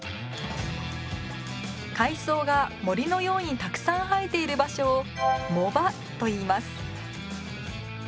海藻が森のようにたくさん生えている場所を藻場といいます